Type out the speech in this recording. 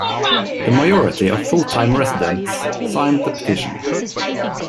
The majority of the full-time residents signed the petition.